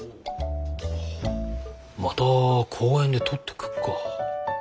また公園でとってくっか。